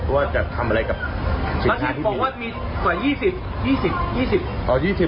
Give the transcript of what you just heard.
ว่าจะทำอะไรกับสินค้าที่มี